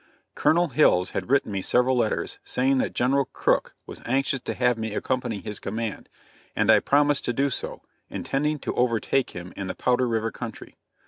Colonel Hills had written me several letters saying that General Crook was anxious to have me accompany his command, and I promised to do so, intending to overtake him in the Powder river country.